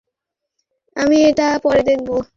আমি এটা পরে দেখব?